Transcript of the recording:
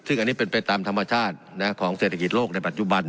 ซึ่งอันนี้เป็นไปตามธรรมชาติของเศรษฐกิจโลกในปัจจุบัน